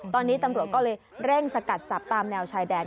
ตอนนี้ตำรวจก็เลยเร่งสกัดจับตามแนวชายแดน